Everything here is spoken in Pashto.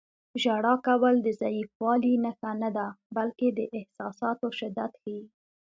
• ژړا کول د ضعیفوالي نښه نه ده، بلکې د احساساتو شدت ښيي.